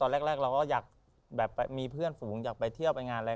แล้วปรับตัวกันนานไหม